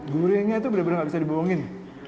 gurinya itu benar benar enggak bisa dibohongin